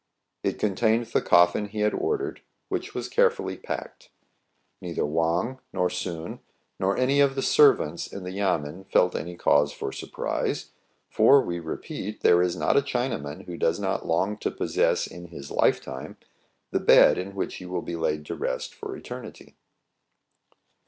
It contained the coffin he had ordered, which was carefully packed. Neither Wang, nor Soun, nor any of the servants in the yamen, felt any cause for surprise ; for, we repeat, there is not a Chinaman who does not long to pos sess in his lifetime the bed in which he will be laid to rest for eternity.